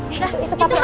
itu apa itu apa